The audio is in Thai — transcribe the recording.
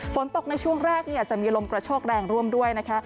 ฝนตกในช่วงแรกจะมีลมกระโชกแรงร่วมด้วยนะคะ